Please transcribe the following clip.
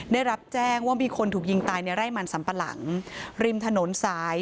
ได้รับแจ้งว่ามีคนถูกยิงตายในไร่มันสัมปะหลังริมถนนสาย